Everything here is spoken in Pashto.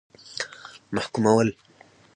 محکومول.